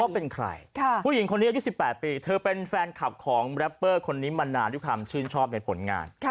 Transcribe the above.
เป็นใครผู้หญิงคนนี้อายุ๑๘ปีเธอเป็นแฟนคลับของแรปเปอร์คนนี้มานานด้วยความชื่นชอบในผลงาน